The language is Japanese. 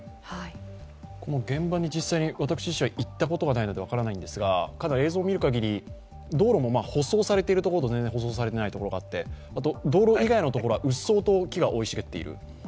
この現場に実際私、自身が行ったことないので影像を見るかぎり、道路も舗装されているところと全然舗装されていないところがあって、あと道路以外のところはうっそうと木が生い茂っている。